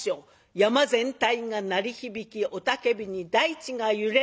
山全体が鳴り響き雄たけびに大地が揺れる。